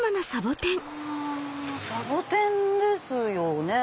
サボテンですよね。